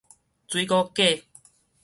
水果粿